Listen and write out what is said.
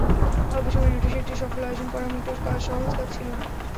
অল্প সময়ের নোটিশে একটি সফল আয়োজন করা মোটেও সহজ কাজ ছিল না।